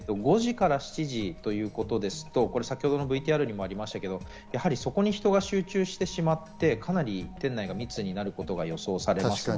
で、５時から７時ということですと、ＶＴＲにもありましたけど、そこに人が集中して店内がかなり密になることが予想されます。